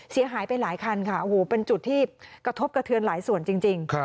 เสียหายไปหลายคันค่ะโอ้โหเป็นจุดที่กระทบกระเทือนหลายส่วนจริง